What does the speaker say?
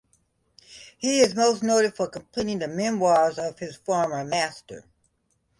He is most noted for completing the memoirs of his former master.